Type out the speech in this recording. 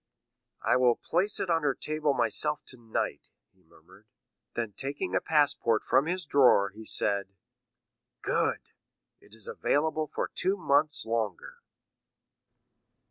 "I will place it on her table myself tonight," he murmured. Then taking a passport from his drawer he said,—"Good, it is available for two months longer."